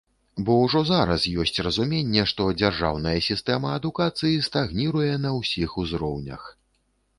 Бо ўжо зараз ёсць разуменне, што дзяржаўная сістэма адукацыі стагніруе на ўсіх узроўнях.